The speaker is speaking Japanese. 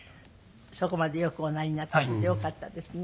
そこまで良くおなりになったのでよかったですね。